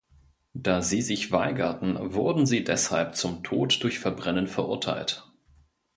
Da sie sich weigerten, wurden sie deshalb zum Tod durch Verbrennen verurteilt.